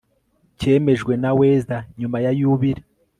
cyemejwe naweza nyuma ya yubile